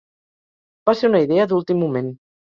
Va ser una idea d'últim moment.